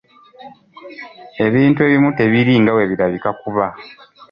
Ebintu ebimu tebiri nga bwe birabika kuba.